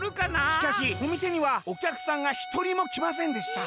「しかしおみせにはおきゃくさんがひとりもきませんでした」。